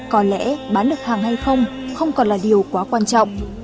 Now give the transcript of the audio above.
có lẽ bán được hàng hay không không còn là điều quá quan trọng